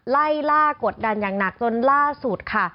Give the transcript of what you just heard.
ไล่ล่ากดดันอย่างหนักจนล่าสุดค่ะ